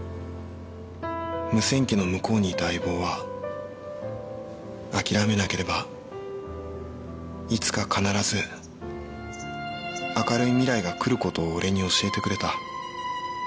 無線機の向こうにいた相棒は諦めなければいつか必ず明るい未来が来る事を俺に教えてくれた。